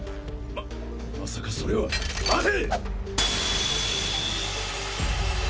ままさかそれは待て！